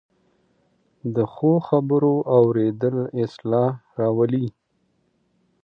د ښو خبرو اورېدل اصلاح راولي